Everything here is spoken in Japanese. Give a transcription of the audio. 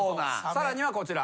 さらにはこちら。